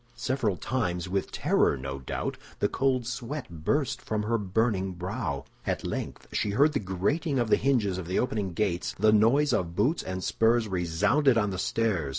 Several times, with terror, no doubt, the cold sweat burst from her burning brow. At length she heard the grating of the hinges of the opening gates; the noise of boots and spurs resounded on the stairs.